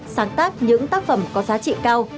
sáng tác những tác phẩm có giá trị cao